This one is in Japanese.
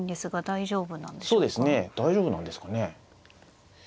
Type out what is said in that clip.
大丈夫なんですかね。